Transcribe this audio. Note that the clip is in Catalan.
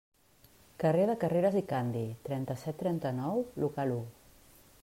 Carrer de Carreres i Candi, trenta-set trenta-nou, local u.